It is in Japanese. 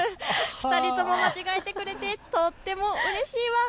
２人とも間違えてくれてとってもうれしいワン！